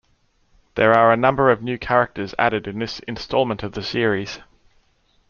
There are a number of new characters added in this installment of the series.